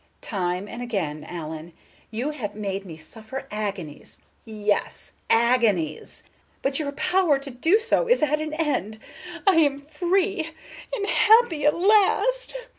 Time and again, Allen, you have made me suffer agonies, yes, agonies; but your power to do so is at an end. I am free and happy at last."